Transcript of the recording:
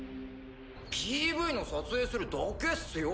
ＰＶの撮影するだけっすよ。